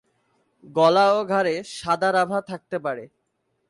গলা ও ঘাড়ে সাদার আভা থাকতে পারে।